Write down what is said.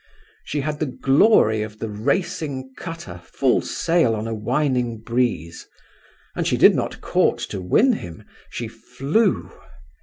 She had the glory of the racing cutter full sail on a whining breeze; and she did not court to win him, she flew.